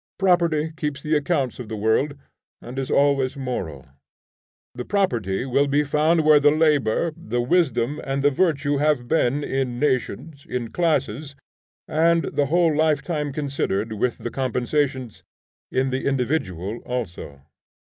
Property keeps the accounts of the world, and is always moral. The property will be found where the labor, the wisdom, and the virtue have been in nations, in classes, and (the whole life time considered, with the compensations) in the individual also.